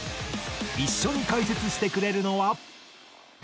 一緒に解説してくれるのは。